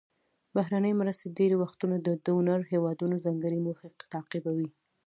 بهرنۍ مرستې ډیری وختونه د ډونر هیوادونو ځانګړې موخې تعقیبوي.